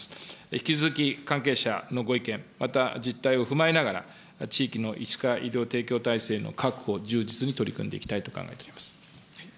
引き続き関係者のご意見、また実態を踏まえながら、地域の歯科医療提供体制の確保、充実に取り組んでいきたいと考えております。